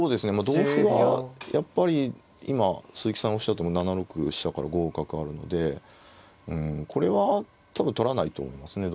同歩はやっぱり今鈴木さんがおっしゃった７六飛車から５五角あるのでうんこれは多分取らないと思いますね